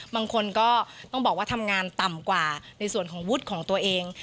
บางคนก็ต้องบอกว่าทำงานต่ำกว่าในส่วนของวุฒิของตัวเอง